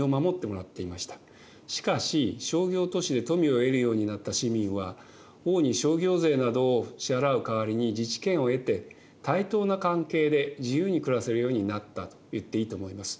しかし商業都市で富を得るようになった市民は王に商業税などを支払う代わりに自治権を得て対等な関係で自由に暮らせるようになったといっていいと思います。